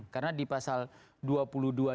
karena di pasal dua puluh dua d undang undang